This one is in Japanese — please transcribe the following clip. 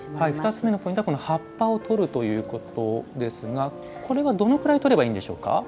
２つ目のポイントは葉っぱをとるということですがこれはどのくらいとればいいんでしょうか？